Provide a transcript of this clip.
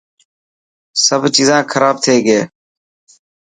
سڀ چيزان خراب ٿي گئي.